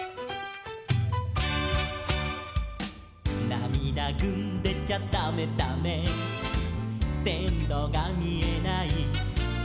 「なみだぐんでちゃだめだめ」「せんろがみえない」